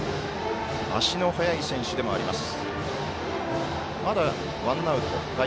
足の速い選手でもあります。